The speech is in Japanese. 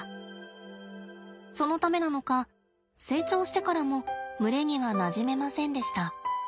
そのためなのか成長してからも群れにはなじめませんでした。